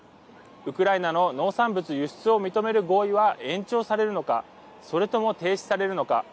ウクライナの農産物輸出を認める合意は延長されるのかそれとも停止されるのか。